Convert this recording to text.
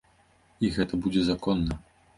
І гэта будзе законна.